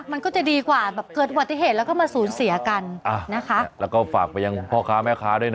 มันก็จะดีกว่าแบบเกิดอุบัติเหตุแล้วก็มาสูญเสียกันอ่านะคะแล้วก็ฝากไปยังพ่อค้าแม่ค้าด้วยนะ